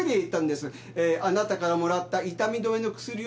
えーあなたからもらった痛み止めの薬を飲むために。